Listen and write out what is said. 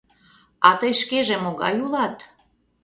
А тый шкеже могай улат?